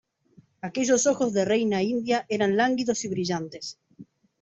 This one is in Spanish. aquellos ojos de reina india eran lánguidos y brillantes: